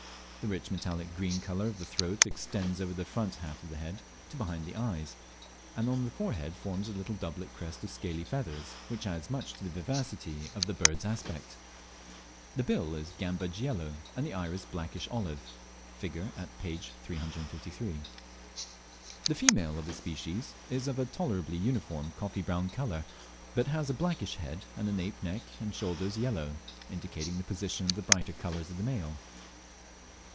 The rich metallic green colour of the throat extends over the front half of the head to behind the eyes, and on the forehead forms a little double crest of scaly feathers, which adds much to the vivacity of the bird's aspect. The bill is gamboge yellow, and the iris blackish olive. (Figure at p. 353.) The female of this species is of a tolerably uniform coffee brown colour, but has a blackish head, and the nape neck, and shoulders yellow, indicating the position of the brighter colours of the male.